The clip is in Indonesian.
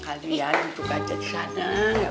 kalian duduk aja di sana